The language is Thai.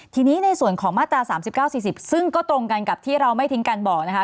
ทีนี้ในส่วนของมาตราสามสิบเก้าสี่สิบซึ่งก็ตรงกันกับที่เราไม่ทิ้งกันบอกนะคะ